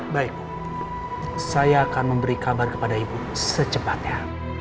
baik saya akan memberi kabar kepada ibu secepatnya